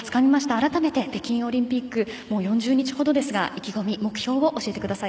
改めて北京オリンピックもう４０日ほどですが意気込み、目標を教えてください。